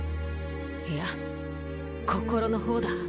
いや心の方だ。